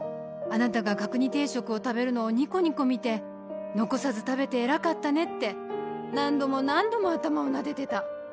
あなたが角煮定食を食べるのをニコニコ見て「残さず食べて偉かったね」って何度も何度も頭をなでてた。